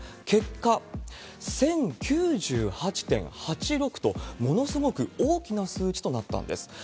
結果、１０９８．８６と、ものすごく大きな数値となったんです。